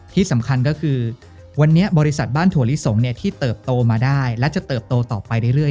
ที่สำคัญก็คือวันนี้บริษัทบ้านถั่วลิสงที่เติบโตมาได้และจะเติบโตต่อไปเรื่อย